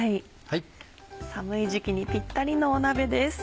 寒い時期にピッタリの鍋です。